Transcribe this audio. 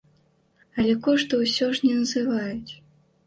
Але кошту ўсё ж не называюць.